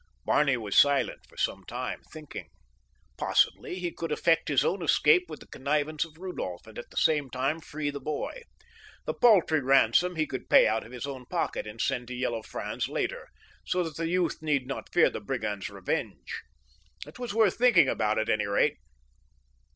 Barney was silent for some time, thinking. Possibly he could effect his own escape with the connivance of Rudolph, and at the same time free the boy. The paltry ransom he could pay out of his own pocket and send to Yellow Franz later, so that the youth need not fear the brigand's revenge. It was worth thinking about, at any rate.